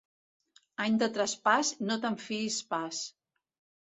Any de traspàs, no te'n fiïs pas.